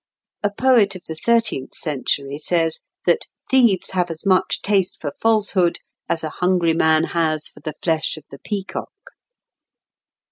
A poet of the thirteenth century says, "that thieves have as much taste for falsehood as a hungry man has for the flesh of the peacock."